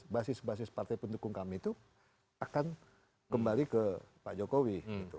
basis basis partai pendukung kami itu akan kembali ke pak jokowi